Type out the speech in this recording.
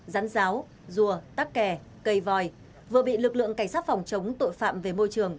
rán giáo rùa tắc kè cây vòi vừa bị lực lượng cảnh sát phòng chống tội phạm về môi trường